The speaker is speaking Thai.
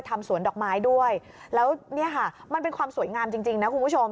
ทำสวนดอกไม้ด้วยแล้วเนี่ยค่ะมันเป็นความสวยงามจริงจริงนะคุณผู้ชม